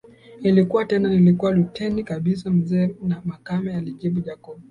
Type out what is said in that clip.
Nilikuwa tena nilikuwa luteni kabisa mzee makame alimjibu Jacob